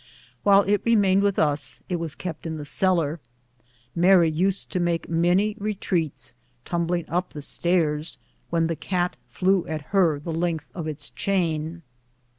While it remained with us it was kept in the cellar. Mary used to make many re treats, tumbling up the stairs, when the cat flew at her the length of its chain.